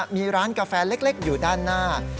มีร้านกาแฟเล็กอยู่ด้านหน้า